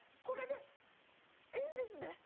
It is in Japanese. これでええんですね？